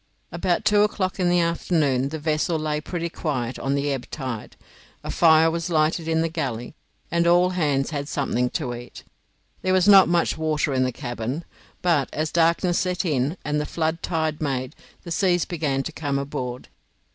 About two o'clock in the afternoon the vessel lay pretty quiet on the ebb tide; a fire was lighted in the galley, and all hands had something to eat. There was not much water in the cabin; but, as darkness set in, and the flood tide made, the seas began to come aboard.